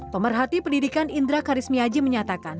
pemerhati pendidikan indra karismiaji menyatakan